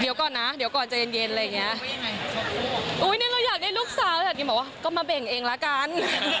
เยี่ยมมาเบหงเองละกัน